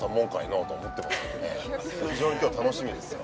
非常に今日楽しみですよ